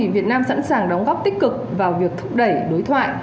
việt nam sẵn sàng đóng góp tích cực vào việc thúc đẩy đối thoại